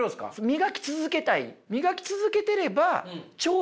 磨き続けたい。